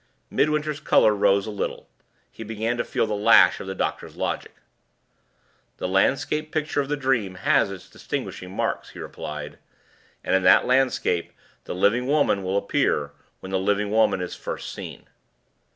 Midwinter's color rose a little. He began to feel the lash of the doctor's logic. "The landscape picture of the dream has its distinguishing marks," he replied; "and in that landscape the living woman will appear when the living woman is first seen."